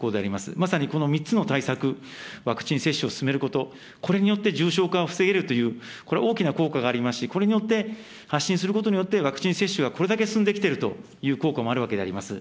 まさにこの３つの対策、ワクチン接種を進めること、これによって、重症化が防げるという、これは大きな効果がありますし、これによって、発信することによって、ワクチン接種がこれだけ進んできているという効果もあるわけであります。